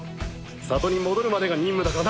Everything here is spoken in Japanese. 里に戻るまでが任務だからな。